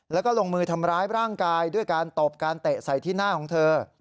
แล้วก็ลงมือทำร้ายร่างกายด้วยการตบการเตะใส่ที่หน้าของเธอ